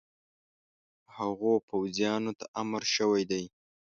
هغو پوځیانو ته امر شوی دی.